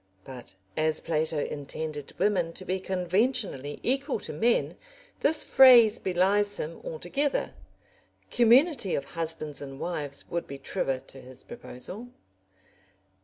But as Plato intended women to be conventionally equal to men, this phrase belies him altogether; community of husbands and wives would be truer to his proposal.